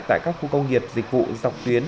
tại các khu công nghiệp dịch vụ dọc tuyến